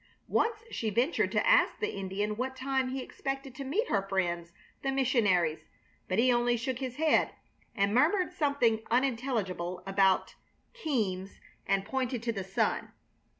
Once she ventured to ask the Indian what time he expected to meet her friends, the missionaries, but he only shook his head and murmured something unintelligible about "Keams" and pointed to the sun.